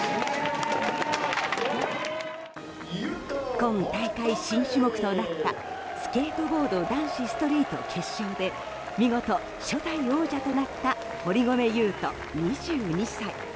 今大会新種目となったスケートボード男子ストリート決勝で見事、初代王者となった堀米雄斗、２２歳。